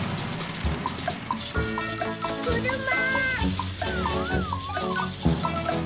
くるま。